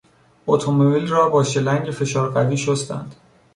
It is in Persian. اتومبیل را با شلنگ فشار قوی شستند.